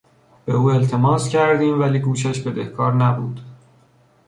به او التماس کردیم ولی گوشش بدهکار نبود.